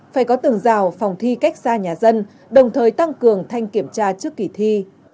phải có tường rào phòng thi cách xa nhà dân đồng thời tăng cường thanh kiểm tra trước kỳ thi